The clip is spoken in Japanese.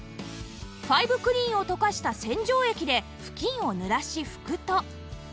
ファイブクリーンを溶かした洗浄液で布巾を濡らし拭くと